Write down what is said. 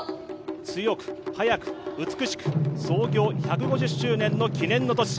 強く、速く、美しく、創業１５０周年の記念の年。